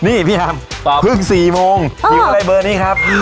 นี่พี่ฮ่าตอบเพิ่งสี่โมงเออหิวอะไรเบอร์นี้ครับ